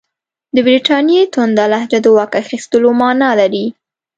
د برټانیې تونده لهجه د واک اخیستلو معنی لري.